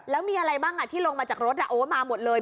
แล้วมีอะไรบ้างที่ลงมาจากรถโอ้มาหมดเลย